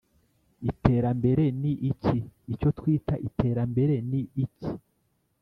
iterambere ni iki? icyo twita iterambere ni iki?